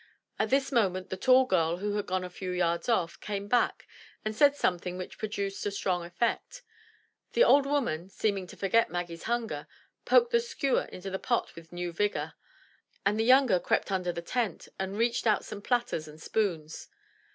At this moment the tall girl who had gone a few yards off, came back, and said some thing which produced a strong effect. The old woman, seeming to forget Maggie's hunger, poked the skewer into the pot with new vigor, and the younger crept under the tent, and reached out some platters and spoons.